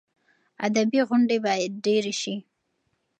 ادبي غونډې باید ډېرې شي.